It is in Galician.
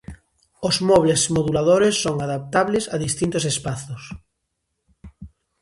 Os mobles modulares son adaptables a distintos espazos.